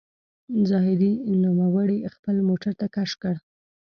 زاهدي نوموړی خپل موټر ته کش کړ.